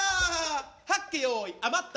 はっけよい余った！